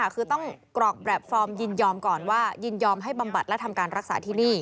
คือต้องกรอกแบบฟอร์มยินยอมก่อนว่ายินยอมให้บำบัดและทำการรักษาที่นี่